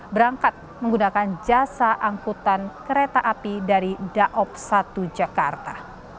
berangkat menggunakan jasa angkutan kereta api dari daob satu jakarta